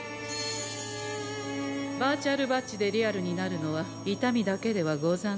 バーチャルバッジでリアルになるのは痛みだけではござんせん。